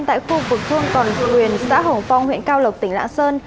tại khu vực thương còn quyền xã hồng phong huyện cao lộc tỉnh lãng sơn